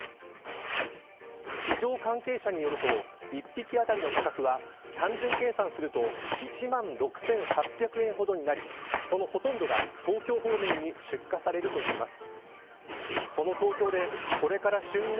市場関係者によると一匹あたりの価格は単純計算すると１万６８００円ほどになりそのほとんどが、東京方面に出荷されるといいます。